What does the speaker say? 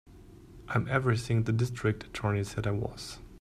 I'm everything the District Attorney said I was.